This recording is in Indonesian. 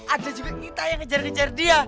ada juga kita yang kejar kejar dia